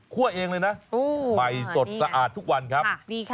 คั่วเองเลยนะไฟสดสะอาดทุกวันครับ